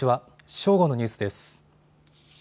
正午のニュースです。